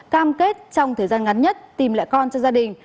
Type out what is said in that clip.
cam kết trong thời gian ngắn nhất tìm lại con cho gia đình